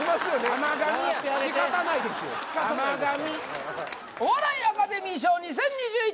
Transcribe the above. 甘噛みお笑いアカデミー賞２０２１